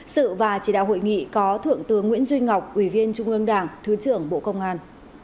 sự và chỉ đạo hội nghị có thượng tướng nguyễn duy ngọc ủy viên trung ương đảng thứ trưởng bộ công an